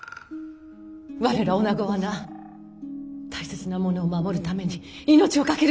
我らおなごはな大切なものを守るために命を懸けるんです。